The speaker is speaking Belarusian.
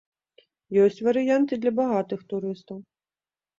Ёсць варыянт і для багатых турыстаў.